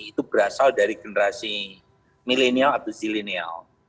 itu berasal dari generasi milenial atau zilenial